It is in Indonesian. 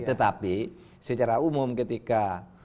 tetapi secara umum ketika